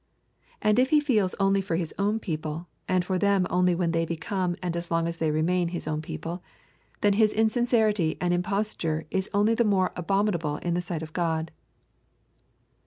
And if he feels only for his own people, and for them only when they become and as long as they remain his own people, then his insincerity and imposture is only the more abominable in the sight of God.